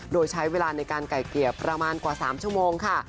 โดยใช้เวลาในการไก่เกลี่ยประมาณกว่า๓ชั่วโมงค่ะ